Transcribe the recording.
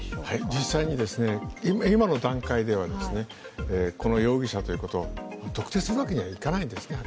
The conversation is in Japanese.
実際に今の段階ではこの容疑者ということ、特定するわけにはいかないんですね。